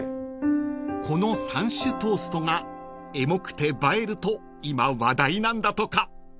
［この３種トーストがエモくて映えると今話題なんだとか］